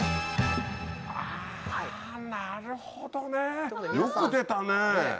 あなるほどね。よく出たね。